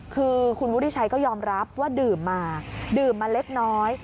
คือคุณวุฒิชัยก็ยอมรับว่าดื่มมาดื่มมาเล็กน้อย